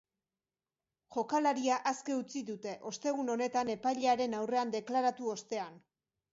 Jokalaria aske utzi dute ostegun honetan epailearen aurrean deklaratu ostean.